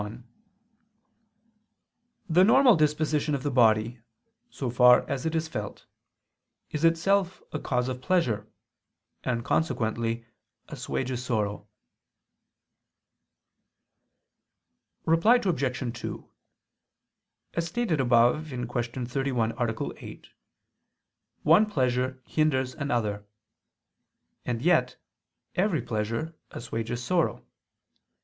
1: The normal disposition of the body, so far as it is felt, is itself a cause of pleasure, and consequently assuages sorrow. Reply Obj. 2: As stated above (Q. 31, A. 8), one pleasure hinders another; and yet every pleasure assuages sorrow.